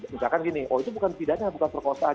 misalkan gini oh itu bukan pidana bukan perkosaan